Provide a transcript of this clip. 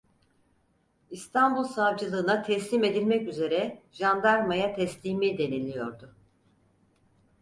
"İstanbul savcılığına teslim edilmek üzere jandarmaya teslimi" deniliyordu.